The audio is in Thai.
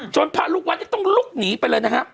จนพระรุกวัดก็ต้องลุกหนีไปเลยนะครับ